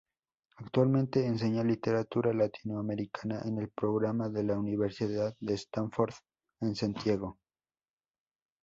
Actualmente enseña Literatura Latinoamericana en el Programa de la Universidad de Stanford en Santiago.